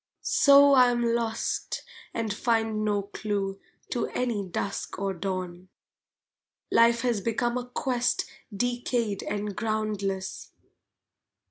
So I am lost and find no clue To any dusk or dawn! Life has become a quest decayed and groundless.